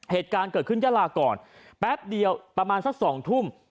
เหตุการณ์เกิดขึ้นยาลาก่อนแป๊บเดียวประมาณสัก๒ทุ่ม